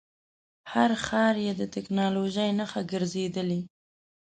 هر ښار یې د ټکنالوژۍ نښه ګرځېدلی.